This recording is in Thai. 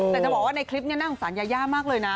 แต่จะบอกว่าในคลิปนี้น่าสงสารยาย่ามากเลยนะ